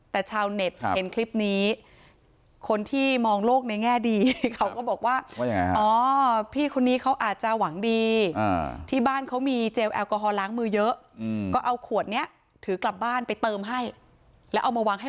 แต่ชาวเน็ตเห็นคลิปนี้คนที่มองโลกในแง่ดีเขาก็บอกว่า